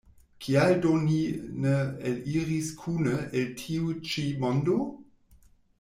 Kial do ni ne eliris kune el tiu ĉi mondo?